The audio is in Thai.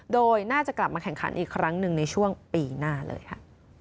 โดยน่าจะกลับมาแข่งขันอีกครั้งหนึ่งในช่วงปีหน้าเลยค่ะ